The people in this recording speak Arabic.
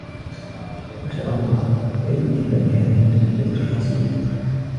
ما شاء الله سعيد جدا بهذه النتيجة القياسية